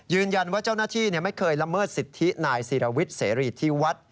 เจ้าหน้าที่ไม่เคยละเมิดสิทธินายศิรวิทย์เสรีที่วัด